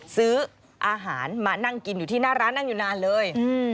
ซื้ออาหารมานั่งกินอยู่ที่หน้าร้านนั่งอยู่นานเลย